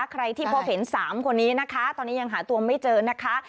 ใครที่พบเห็น๓คนนี้นะคะตอนนี้ยังหาตัวไม่เจอนะคะ